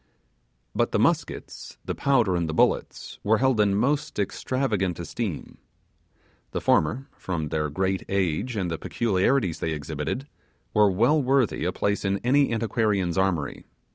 But the muskets, the powder, and the bullets were held in most extravagant esteem. The former, from their great age and the peculiarities they exhibited, were well worthy a place in any antiquarian's armoury.